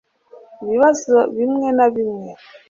ibibazo bimwe na bimwe